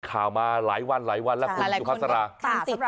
มาหลายวันหลายวันแล้วคุณสุภาษา